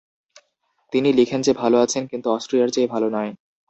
তিনি লিখেন যে ভাল আছেন কিন্তু অস্ট্রিয়ার চেয়ে ভাল নয়।